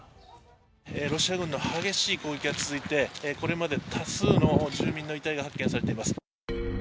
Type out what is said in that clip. ロシア軍の激しい攻撃が続いていて、これまで多数の住民の遺体が発見されています。